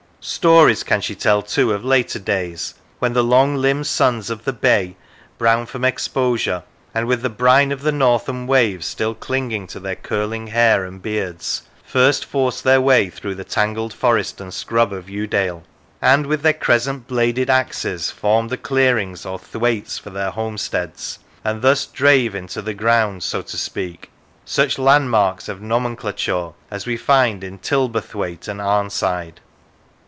... Stories can she 177 z Lancashire tell, too, of later days, when the long limbed sons of the bay, brown from exposure, and with the brine of the northern waves still clinging to their curling hair and beards, first forced their way through the tangled forest and scrub of Yewdale, and with their crescent bladed axes formed the clearings or thwaites for their homesteads, and thus drave into the ground, so to speak, such landmarks of nomenclature as we find in Tilberthwaite and Arnside.